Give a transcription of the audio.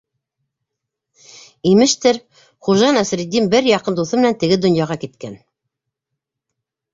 Имештер, Хужа Насретдин бер яҡын дуҫы менән теге донъяға киткән.